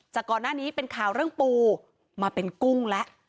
ก่อนหน้านี้เป็นข่าวเรื่องปูมาเป็นกุ้งแล้ว